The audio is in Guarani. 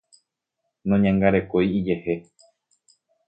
Noñangarekói ijehe.